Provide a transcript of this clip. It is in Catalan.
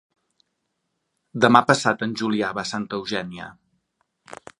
Demà passat en Julià va a Santa Eugènia.